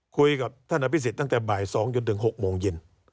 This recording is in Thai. คุยกับท่านอภิษฎตั้งแต่บ่าย๒จนถึง๖โมงเย็น